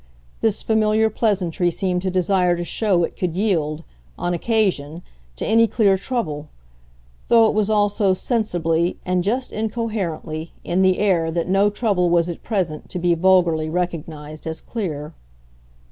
This familiar pleasantry seemed to desire to show it could yield, on occasion, to any clear trouble; though it was also sensibly, and just incoherently, in the air that no trouble was at present to be vulgarly recognised as clear.